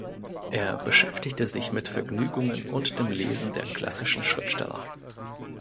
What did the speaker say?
Er beschäftigte sich mit Vergnügungen und dem Lesen der klassischen Schriftsteller.